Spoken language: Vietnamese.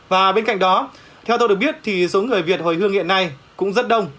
và bên cạnh đó theo tôi được biết thì số người việt hồi hương hiện nay cũng rất đông